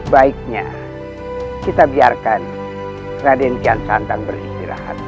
baiknya kita biarkan raden ngesantang beristirahat